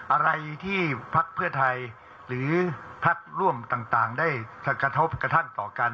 อะไรที่พักเพื่อไทยหรือพักร่วมต่างได้กระทบกระทั่งต่อกัน